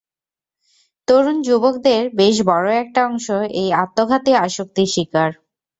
তরুণ যুবকদের বেশ বড় একটা অংশ এই আত্মঘাতী আসক্তির শিকার।